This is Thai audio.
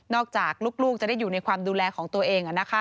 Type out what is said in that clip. จากลูกจะได้อยู่ในความดูแลของตัวเอง